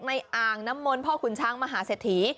อ่างน้ำมนต์พ่อขุนช้างมหาเศรษฐี